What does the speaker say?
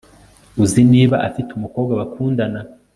uzi niba afite umukobwa bakundana